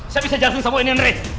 siapa bancar sama ndre